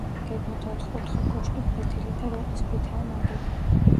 გეგმით ოთხკუთხა კოშკი ფლეთილი და რიყის ქვითაა ნაგები.